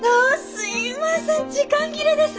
すいません時間切れです。